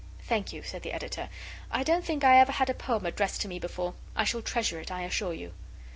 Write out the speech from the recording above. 'Thank you,' said the Editor. 'I don't think I ever had a poem addressed to me before. I shall treasure it, I assure you.